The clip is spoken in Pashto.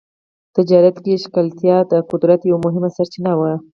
تجارت کې ښکېلتیا د قدرت یوه مهمه سرچینه وه.